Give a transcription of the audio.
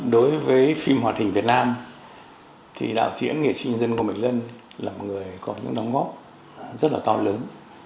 đối với phim hoạt hình việt nam thì đạo diễn nghệ sĩ nhân dân ngô mạnh lân là một người có những đóng góp rất là to lớn